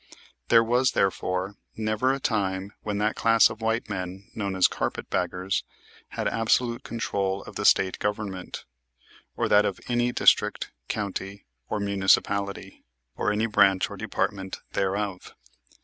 There was, therefore, never a time when that class of white men known as Carpet baggers had absolute control of the State Government, or that of any district, county or municipality, or any branch or department thereof.